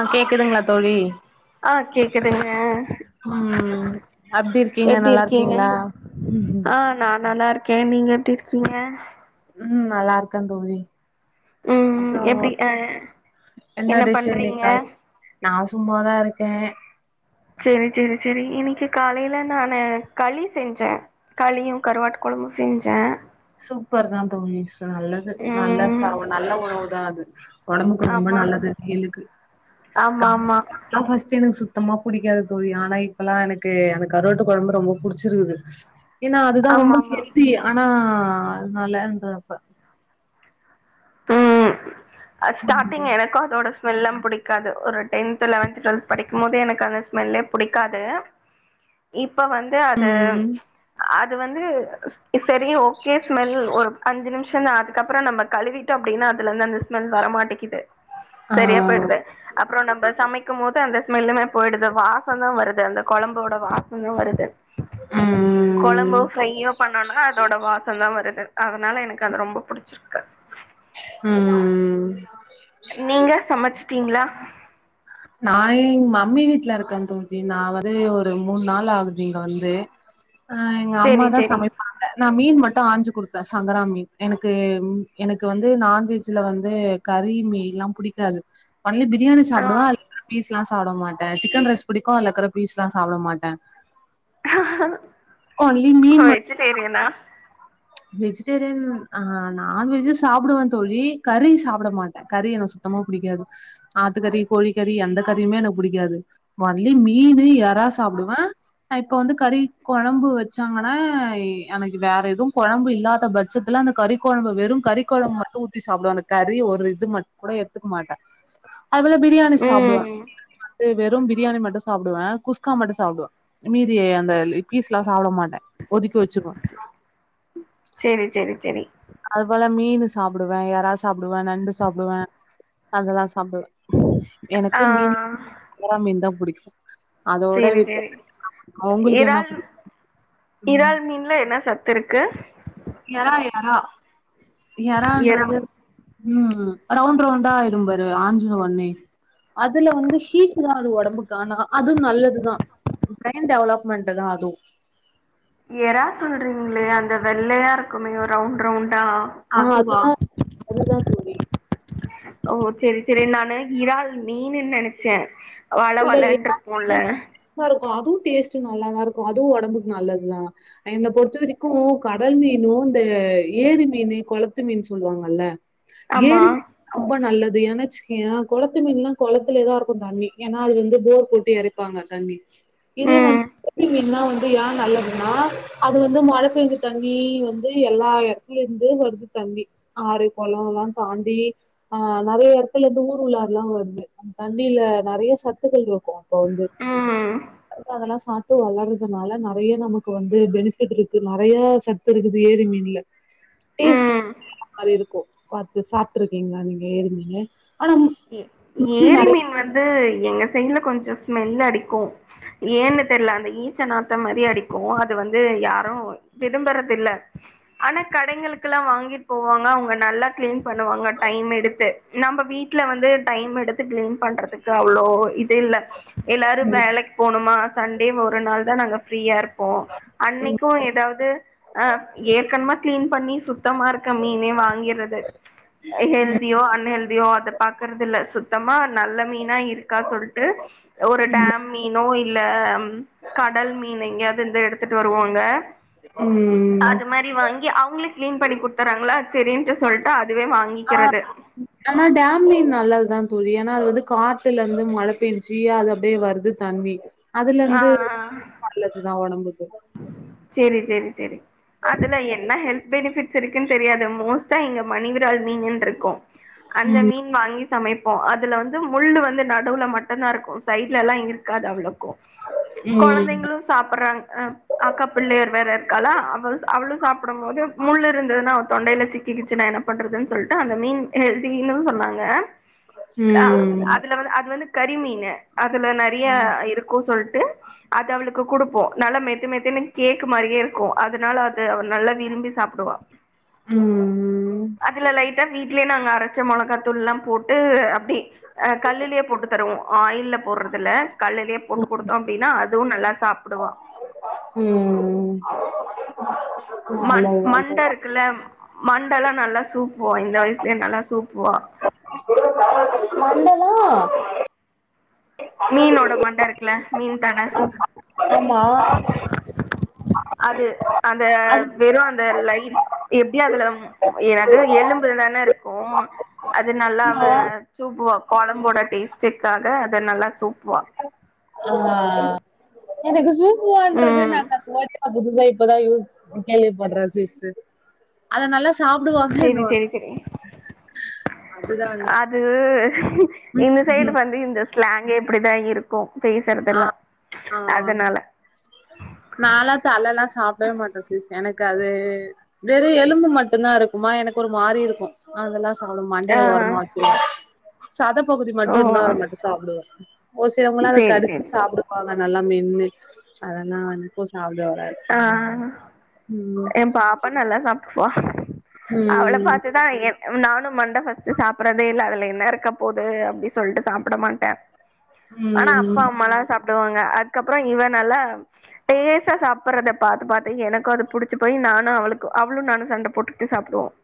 ஆஹ் கேக்குதுங்களா தோழி ஆஹ் கேக்குதுங்க ம் அப்டி இருக்கீங்க எப்டி நல்லா இருக்கீங்க இருக்கீங்களா ம் ஆஹ் நான் நல்லா இருக்கேன் கே நீங்க எப்டி இருக்கீங்க உம் நல்லா இருக்கன் தோழி உம் அப்றோ எப்டி அஹ் என்ன பண்றீங்க சும்மாதான் இருக்கேன் சரி சரி சரி இன்னைக்கு காலையில் நானு களி செஞ்சேன் களியும் கருவாட்டு குழமும் செஞ்சேன் சூப்பர் தான் தோழி நல்லது நல்ல ச ம் நல்ல உணவு தான் அது [inaudible] ஒடம்புக்கு ரொம்ப ஆமா நல்லது வெயிலுக்கு ஆமா ஆமா [unintelligible] சுத்தமா பிடிக்காது தோழி ஆனா இப்பெல்லா எனக்கு அந்த கருவாட்டு கொழம்பு ரொம்ப புடிச்சிருக்குது ஏன்னா அதுதா ஆமா ரொம்ப ஆமா ஹெல்தி ஆனா ஆஹ் அதனால இந்த இப்ப உம் உம் ஆ ஸ்டார்டிங் ம் எனக்கும் அதோட ஸ்மெல்லாம் பிடிக்காது ஒரு டென்த் லெவன்த் டுவெல்த் படிக்கும்போது எனக்கு அந்த ஸ்மெல்லே பிடிக்காது இப் இப்ப வந்து அது ம் அ அது வந்து ஸ் சரி ஓகே ஸ்மெல் ஒரு அஞ்சு நிமிஷ சரின்னு அதுக்கப்றோ நம்ம கழுவிட் அப்டின்னா அதுல இருந்து அந்த ஸ்மெல் வர மாட்டேங்கிது சரியா ஆ போயிடுது அப்றோ நம்ம சமைக் க்கும் போது அந்த ஸ்மெல்லுமே போயிடுது வாசந்தா வருது அந்த கொழம்போட வாசந்தா வருது கொழம்போ ம் ஃப்ரையோ பண்ணோம்னா அதோட வாசம்தா வருது அதனால எனக்கு அது ரொம்ப புடிச்சிருக்கு ம் நீங்க சமைச் ச்சீங்ளா நா எங் மம்மி வீட்ல இருக்கே தோழி நா வந்து ஒரு மூணு நாள் ஆகுது இங்க வந்து ஆஹ் எங்க சேரி அம்மாதா சேரி சமைப்பாங்க நா மீண் மட்டு ஆஞ்சு குடுத்தே சங்கரா மீன் எனக்கு எனக்கு வந்து நான்வெஜ்ல வந்து கறி மீன்லாம் புடிக்காது ஒன்லி பிரியாணி ச ஆ [unintelligible] லாம் சாப்ட மாட்டே சிக்கன் ரைஸ் பிடிக்கு அதுல இருக்கிற பீஸ்லா சாப்டமாட்டே அஹாஹ்ஹா ஓ ம வெஜிடேரியனா வெஜிடேரியன் ஆஹ் நான்வெஜ்ஜூ சாப்டுவே தோழி கறி சாப்பிட மாட்டே கறி எனக்கு சுத்தமா பிடிக்காது ஆட்டுக்கறி கோழிக் கறி எந்த கறியுமே எனக்கு பிடிக்காது ஒன்லி மீனு, எறா சாப்டுவே ஆ இப்ப வந்து கறி கொழம்பு வச்சாங்கன்னா எனக்கு வேற எதுவு கொழம்பு இல்லாத பட்சத்துல அந்த கறிக் கொழம்பு வெறும் கறி கொழம்பு மட்டும் ஊத்தி சாப்டுவே அந்த கறி ஒரு இது மட்டும் கூட எடுத்துக்க மாட்டே அதுல பிரியாணி சாப்டுவே ம் அ வெறும் பி பிரியாணி மட்டும் சாப்டுவே குஸ்கா மட்டு சாப்டுவே மீதி அந்த பீஸ் எல்லா சாப்ட மாட் [unintelligible] த்து வச்சுக்குவே செரி செரி சரி இப்ல மீன் சாப்புடுவேன் இறா சாப்புடுவேன் நண்டு சாப்பிடுவேன் அதெல்லாம் சாப்டுவேன் ஆ எனக்கு மீன் இறாமீனு தான் புடிக்கும் [inaudible] சேரி சேரி உங்களுக்கு என்ன இறால் புடிக்கு இறால் மீன்ல என்ன சாப் தெருக்கு எரா எரா எறா எரான்றது உம் ரவுண்ட் ரவுண்டா ஆயிரும்பாரு ஆஞ்சின ஒன்னே அதுல வந்து ஹீட் தான் அது உடம்புக்கு அதுவும் நல்லது தா ஃபிரைன் டெவலப்மென்ட் தா அதும் யரா சொல்றீங்களே அந்த வெள்ளையா இருக்குமே ரவுண்ட் ரவுண்ட் னா ஆ அதுவா அதுதா அதுதா தோழி ஓ சரி சரி நானு இறால் மீனுன் நினைச்சேன் வழ வழனுருக்குல அதுவும் டேஸ்ட்டும் நல்லாதான் இருக்கும் அதுவும் உடம்புக்கு நல்லதுதான் என்ன பொறுத்த வரைக்கும் கடல் மீனும் இந்த ஏரி மீனு குளத்து மீனு சொல்லுவாங்கள்ல ஆமா ஏரி‌ மீனு ரொம்ப நல்லது அது என்னச்சிகயேன் கொளத்து மீன்ல்லாம் கொளத்துலேதான் இருக்கும் தண்ணி ஏன்னா அது வந்து போர் போட்டு இரைப்பாங்க தண்ணீ இது ம் வந்துட்டு என்னா அ ஏன் நல்லதுன்னா அது வந்து மழை பெஞ்ச தண்ணி வந்து எல்லா இடத்துல இருந்து வருது தண்ணி ஆறு குளம் எல்லாம் தாண்டி அஹ நிறைய இடத்துல இருந்து ஊர் உள்ளாற எல்லாம் வருது அ தண்ணியில நெறைய சத்துகள் இருக்கும் ப்ப வந்து ம் அதுகாகல்லாம் சா சத்து வளர்றதுனால நெறைய நமக்கு வந்து பெனிபிட் இருக்கு நெறைய சத்து இருக்குது ஏரி மீனுல டேஸ்ட் ம் மாரி இருக்கு பாத்து சாப்புட்டுருக்கீங்களா நீங்க ஏரி மீனு ஏ ஏரி மீன் வந்து எங்க செய்ல கொஞ்சம் ஸ்மெல் அடிக்கும் ஏன்னு தெரியல அந்த ஈச்ச நாத்த மாதிரி அடிக்கும் அது வந்து யாரும் விரும்பறதில்ல ஆனா கடைகளுக்குல்லாம் வாங்கிட்டு போவாங்க அவங்க நல்லா கிளீன் பண்ணுவாங்க டைம் எடுத்து நம்ம வீட்டு வீட்ல வந்து டைம் எடுத்து கிளீன் பண்றதுக்கு அவ்ளோ இல்ல எல்லாரு வேலைக்கு போணுமா சண்டே ஒரு நாள் தான் நாங்க ப்ஃரீயா இருப்போம் அன்னைக்கும் ஏதாவது அ ஏற்கனமா கிளீன் பண்ணி சுத் சுத்தமா இருக்க மீனே வாங்கிறது ஹெல்தியோ அன்ஹெல்தியோ அத பாக்கறதுல்ல சுத்தமா நல்ல மீனா இருக்கா சொல்டு ஒரு டேம் மீனோ இல்ல அம் ம் கடல் மீன் எங்யாவது இருந்தா எடுத்துட்டு வருவாங்க ம் அது மரி வாங்கி அவங்களுக்கு கிளீன் பண்ணி குடுத்தறாங்களா செரின்னு சொல்ட்டு அது அஹ் ஆனா டாம்லி நல்லதுதா தோழி ஏனா அது வந்து காட்டுல இருந்து மழ பெய்ஞ்சி அது அப்டே வருது தண்ணி அதுல ஆ இருந்து ஆ நல்லதுதா உடம்புக்கு செரி செரி செரி அதுல என்ன ஹெல்த் பெனிஃபிட்ஸ் இருக்குன் தெரியாது மோஸ் [unintelligible] எங்க [unintelligible] இருக்கோ அந்த ம் மீன் வாங்கி சமைப்போம் அதுல வந்து முள்ளு வந்து நடுவுல மட்டுமந்தா இருக்கும் சைட்லலா இருக்காது அவ்ளோ கோ ம் குழந்தைங்களு சாப்பிடுறாங்க ஹ பிள்ளைகள் வேற இருக்காளா அவ-அவளு சாப்பிடும் போது முள் இருந்ததுன்ன அவ தொண்டையில சிக்கி கிச்சு நா என்ன பண்றதுன்னு சொல்லிட்டு அந்த மீன் ஹெல்த்தினு சொன்னாங்க ஹ ம் அதுல வந்து அது வந்து கரிமீன அதுல நெறைய இருக்கு சொல்ட்டு அது அவளுக்கு கொடுப்போ நல மே மெத்து-மெத்துனு கேக் மாரியே இருக்கோ அதனால அது அவ நல்லா விரும்பி சாப்பிடுவா ம் அதுல லைட்டா வீ்ட்லயே நாங்க அரைச்ச மொளகாத்தூள்ளா போட்டு அ அப்டி அ கல்லிலே போட்டு தருவோம் ஆஹ் இல்ல போடுறதுல்ல கல்லிலே போட்டு குடுத்தோ அப்டின்னா அ அதுவும் நல்லா சாப்பிடுவா உம் மண்-மண்ட இருக்குல்ல மண்டெல்லாம் நல்லா சூப் போ இந்த வயசுலே நல்லா சூப்புவா மண்டலா மீனோட மண்ட இருக்கல மீன் தல ஆமா அது அந்த வெறு அந்த லை எப்டி அதுல என்னது எலும்புதானே இருக்கு அது நல்லாவா சூப்புவா குழம்போட டேஸ்டுக்காக அத நல்லா வா ஆ இதுகுசூப் ஓ அன்றது ம் [unintelligible] புதுசா இப்பதா யூஸ் கேள்விப்பட்ற சீஸ்டர் அதனால சேரி செரி செரி அதுதா நா அது ம் இந்த சைடு ம் வந்து இந்த ஸ்லாங்கே இப்டிதான் இருக்கும் ஆ ஆ நாலா தலல்லா சாப்படவே மாட்டே சிஸ்டர் எனக்கு அது வெறோ எலும்பு மட்டும்தாயிருக்குமா எனக்கு ஒரு மாரியிருக்கும் அதெல்லா சொவள்ளு ஆ மண்டைய ஓரமா வெச்சில்லா சதப்பகுதி ஓ மட்டும்யிருந்தா அத மட்டோ சாப்புடுவே ஓ சிலவங்களா அத சேரி வெச்சு சேரி சாப்டுமான்னு நல்லா மென்னு அத நான் இன்னிக்கும் சாப்புடுவே ஆஹ் என் பாப்பா நல்லா சாப் வா அவள ம் பார்த்துதா நானோ மண்ட ஃபஸ்ட் சாப்புடவேயில்ல அதுல என்னயிருக்க போது அப்டின்னு சொல்லிட்டு சாப் புட மாட்டேன் ஆனா அப்பா ம் அம்மாலா சாப்புடுவாங்க அதுக்கப்பரம் இவ நலா பேச சாப் பாத்து பாத்து எனக்கோம் அது புடிச்சு போய் நானோ அவளுக்கு அவளோ நானோ சண்ட போட்டுட்டு சாப்படுவோம்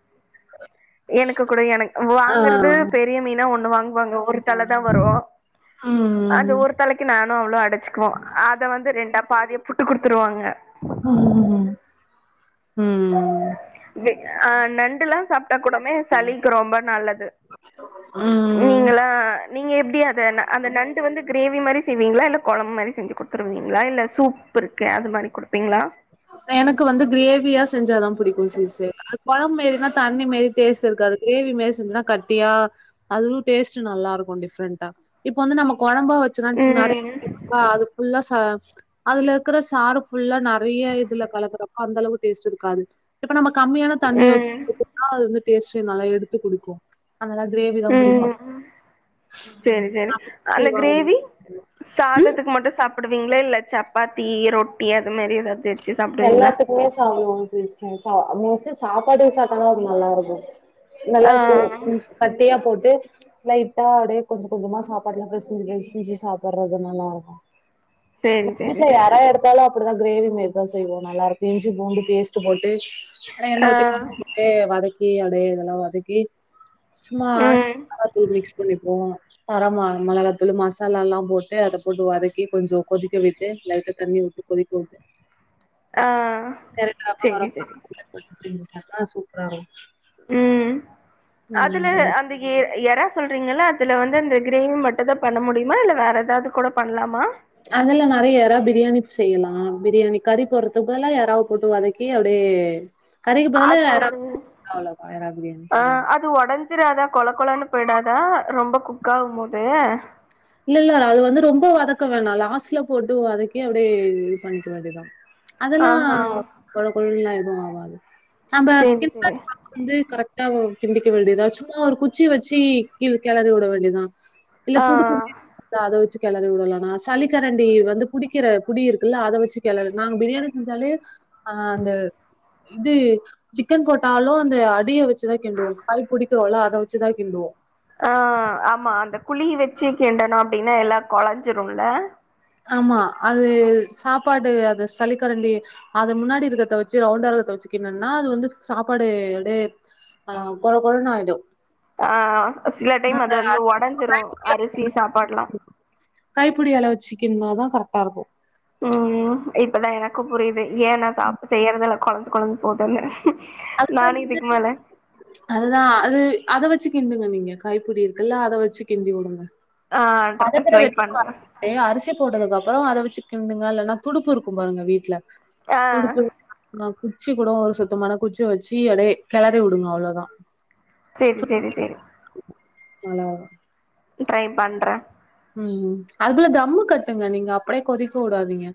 எனக்கு கூட எனக்கு ஆ வாங்குறது பெரிய மீனு ஒண்ணு வாங்க வாங்க ஒர் தலதா வரும் அந்த ம் ஒரு தலைக்கு நா அவளோ அடிச்சிக்குவோ அத வந்து ரெண்டா பாதியா புட்டு குடுத்துருவாங்க குகூம் உம் ஆஹ் நண்டுல்லா சாப்டா கூடமே சளிக்கு ரொம்ப நல்லது உம்ம் நீங்களா நீங்க எப்டி அத அந்த நண்டு வந்து கிரேவி மாரி செய்வீங்களா இல்ல கொழம்பு மாரி செஞ்சு கொடுத்துருவீங்களா இல்ல சூப் பிருக்கே அது மாதிரி குடுப்பீங்களா எனக்கு வந்து கிரேவியா செஞ்சாதா புடிக்கும் சிஸ்டர் அது கொழம் மேரி தண்ணி மாரி டேஸ்ட் இருக்காது கிரேவி மாரி செஞ்சன்னா கட்டியா அது டேஸ்ட் நல்லா இருக்கோ டிஃப்ரெண்டா இப்ப வந்து நம்ம கொழ ரொம்பா வெச்சோன்னா நெறைய ம் இரு அது புல்லா அதுல இருக்குற சாறு புல்லா நெறைய இதுல கலக்குறப்ப அந்த அளவுக்கு டேஸ்ட் இருக்காது இப்ப நம்ம கம்மியான தண்ணிய வெச்சு ம் கிட்ட அது வந்து டேஸ்டே நல்லா எடுத்து குடுக்கும் அதல்ல கிரேவி தான் புடிக்கும் ம் சேரி சேரி அந்த சாப்படுவீங்களா இல்ல சப்பாத்தி ரொட்டி அது மரி ஏதாவது வச்சு சாப்டுவீங்களா எல்லாத்துக்குமே சாப்பிடுவோம் [unintelligible] சாப்பாடு சாப்பிட்டா அது நல்லா இருக்கும் நல்லா போ ஆ கட்டியா போட்டு லைட்டா அப்படியே கொஞ்சம் கொஞ்சமா சாப்பாட்டுல பேசி ஞ்சு சாப்புடுறது நல்லா இருக்கும் சேரி சேரி வீட்ல சேரி எரா எடுத்தாலும் ப்படிதான்கிரேவி மேல் தான் செய்வோம் நல்லாக்கும் இஞ்சு பூண்டு பேஸ்ட் போட்டு ஆன எண்ண ஆ ஊத்தி [unintelligible] வதக் கீ அடைய இதெல்லாம் வதக்கி ம் சும்மாமிளகாத்தூள் மிக்ஸ் பண்ணி போம் தர மா மிளகத்தூள் மசாலாலாம் போட்டு அத போட்டு வதக்கி கொஞ்சம் கொதிக்க விட்டு லைட்ட தண்ணி விட்டு கொதிக்க விட்டு ஆ எறக்கரப்ப சேரி சேரி கருவேப்பில [unintelligible] இன்ஸ்டண்டா சூப்பரா இருக்கும் உம் அதுல அந்த எ எரா சொல்றீங்கல்ல அதுல வந்து இந்த கிரேவி மட்டும் தான் பண்ண முடியுமா இல்ல வேற ஏதாவது கூட பண்ணலாமா அதுல நெறைய எறா பிரியாணி செய்யலாம் பிரியாணி கறி போறதுக்குபதில எறாவ போட்டு வதக்கி அப்டியே கறிக்கு பதிலா அது எறா அவ்ளோதான் எறா பிரியாணி ஹ அது உடஞ்சிராதா குழ குளன்னு போயிடாதான் ரொம்ப குக்காகும் போது இல்ல - இல்ல அது வந்து ரொம்ப வதக்க வேணாம் லாஸ்ட்ல போட்டு வதக்கி அப்டியே இது பண்ணிக்க வேண்டியதான் அதெல்லாம் ஆஹா கொழ கொழன்ல இல்ல ஆவாது நம்ப சேரி கி சேரி [unintelligible] வந்து கரெக்ட் [unintelligible] கிண்டிக்க வேண்டியதுதா சும்மா ஒரு குச்சி வச்சி கில கேலரி விட வேண்டியதுதான் இல ஆ துடுப்பும் அத வச்சு கிளறி விடலாம்னா சளிக்கரண்டி வந்து புடிக்கிற புடி இருக்குல்ல அதை வச்சு கிளறி நாங்க பிரியாணி செஞ்சாலே ஹ அந்த இது சிக்கன் போட்டாலும் அந்த அடிய வச்சுதான் கிண்டுவோம் கைய் புடிக்கிறோள அத வச்சுதான் கிண்டுவோம் ஆஹ ஆமா அந்த குழி வச்சு கிண்டனும் அப்டின்னா எல்லாம் கொழஞ்சிரும்ல ஆமா அது சாப்பாடு அது சளிக்கரண்டி அது முன்னாடி இருக்கத வச்சு ரவுண்டா இருக்கத வச்சுக்கின்டன்னா அது வந்து சாப்பாடு அடு அஹ குழ - குழன்னு ஆயிடும் ஆ சில டைம் அது வந்து ஒடஞ்சிடும் அரிசி சாப்பாடுலாம் கின்னா தா கரெக்டா இருக்கும் உம் இப்பதான் என் இப்ப புரியது ஏன் நா சாப்பா செய்றதுல கொளஞ்சு கொளஞ்சு போதல நானும் இதுக்கு மேல அதுதான் அது அத வச்சு கிண்டுங்க நீங்க கைப்பிடி இருக்குல்ல அத வச்சு கிண்டி வுடுங்க ஆ மரத்த ட்ரை வெ பண்றே அரிசி [unintelligible] போட்டதுக்கு அப்புறம் அத வச்சு கிண்டுங்க இல்லன்னா துடுப்பு இருக்கும் பாருங்க வீட்ல ஆ துடுப்பு நா குச்சி கூட ஒரு சுத்தமான குச்சிய வச்சு அப்டியே கிளறி விடுங்க அவ்ளதான் சேரி சேரி சேரி நல்லா இரு ட்ரை பண்றேன் உம் அதுல தம்மு கட்டுங்க நீங்க அப்டியே கொதிக்க வுடாதீங்க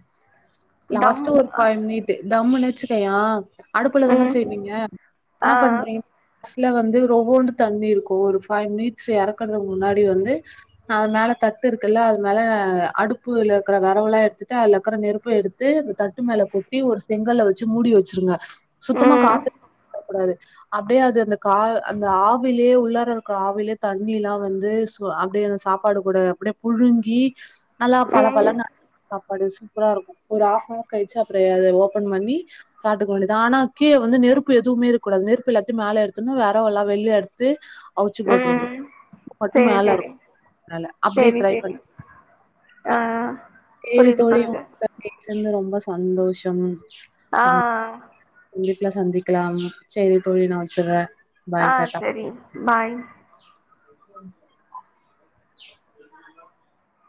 தம் லாஸ்ட்டா ஒரு பை மினிட்டு தம் நச்சுக்கையா அடுப்புல தானே ம் செய்வீங்க என்ன ஆ பண்றீங்க கடசில வந்து ரொவோண்டு தண்ணி இருக்கும் ஒரு பைவ் மினிட்ஸ் இறக்கறதுக்கு முன்னாடி வந்து அது மேல தட்டு இருக்குல்ல அது மேல அடுப்புல இருக்கற விரவெல்லாம் எடுத்துட்டு அதுல இருக்கற நெருப்பு எடுத்து தட்டு மேல கொட்டி ஒரு செங்கல்ல வச்சு மூடி வச்சிருங்க சுத்தமா ம் காத்து போக கூடாது அப்டியே அது அந்த கா அந்த ஆவிலேயே உள்ளார இருக்க ஆவிலேயே தண்ணி எல்லாம் வந்து அப்டியே அந்த சாப்பாடு கூட அப்டியே புழுங்கி நல்லா பல ம் பலன்னு அப்படி சூப்பரா இருக்கும் ஒரு ஹாப்நவர் கழிச்சு அப்புற அத ஓப்பன் பண்ணி சாப்டுக்க வேண்டியதுான் ஆனா கீழ வந்து நெருப்பு எதுவுமே இருக்கடாது நெருப்பு எல்லாத்தையும் மேல எடுத்தருனும் வெரவா எல்லாம் வெளிய எடுத்து அச்சு போட்ரனும் ம் மட்டும் சேரி மேல சேரி இருக்கும் மேல அப்டி சேரி ட்ரை சேரி ஆஹன் ஏ தொழில் ம் ரொம்ப [unintelligible] சந்தோஷம் ஆ, ஆஹன் கண்டிப்பா சந்திக்கலாம் சேரி தோழி நா வைச்சுறேன் ஆஹ சேரி பாய் உம்